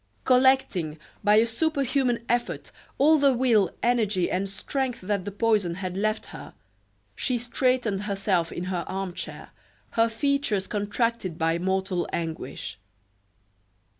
Collecting, by a superhuman effort, all the will, energy, and strength that the poison had left her, she straightened herself in her arm chair, her features contracted by mortal anguish.